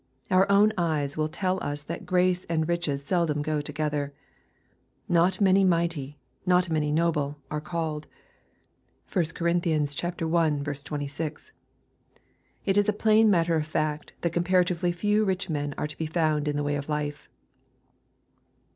Our own eyes will tell us that grace and riches seldom go together. " Not many mighty, not many noble, are "K called.'' (1 Cor. i. 26.) It is plain matter of fact, that comparatively few rich men are to be found in the way of life.